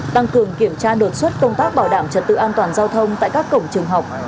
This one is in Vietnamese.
tăng cường kiểm tra đột xuất công tác bảo đảm trật tự an toàn giao thông tại các cổng trường học